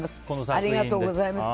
ありがとうございます。